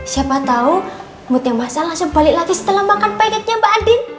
siapa tahu moodnya mas al langsung balik lagi setelah makan pancake nya mbak andin